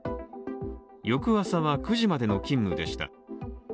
翌朝は９時までの勤務でした。